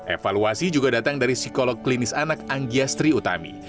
evaluasi juga datang dari psikolog klinis anak anggia sri utami